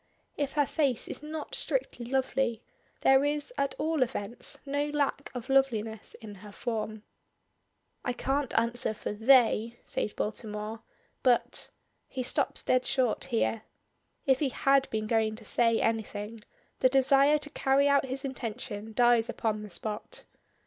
If her face is not strictly lovely, there is, at all events, no lack of loveliness in her form. "I can't answer for 'they,'" says Baltimore, "but" he stops dead short here. If he had been going to say anything, the desire to carry out his intention dies upon the spot.